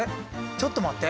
ちょっと待って！